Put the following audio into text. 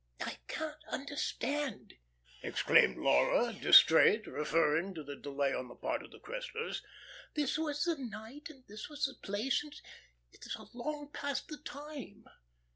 "I can't understand," exclaimed Laura distrait, referring to the delay on the part of the Cresslers. "This was the night, and this was the place, and it is long past the time.